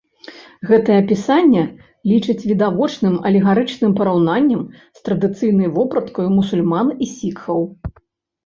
Гэта апісанне лічаць відавочным алегарычным параўнаннем з традыцыйнай вопраткаю мусульман і сікхаў.